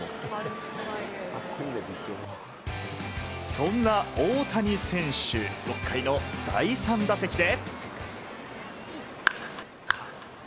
そんな大谷選手、６回の第３打席で。